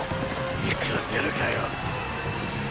行かせるかよ！